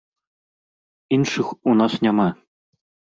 Іншых у нас няма.